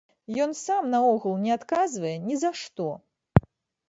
Ён сам наогул не адказвае ні за што.